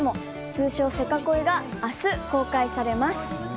通称「セカコイ」が明日、公開されます。